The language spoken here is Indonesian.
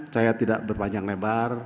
saya tidak berpanjang lebar